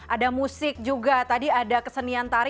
ada musik juga tadi ada kesenian tari